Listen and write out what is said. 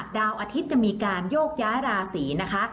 ดาวอาทิตย์จะมีการโยกย้ายราศีนะคะ